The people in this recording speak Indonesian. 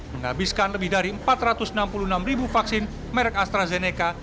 menghabiskan lebih dari empat ratus enam puluh enam ribu vaksin merek astrazeneca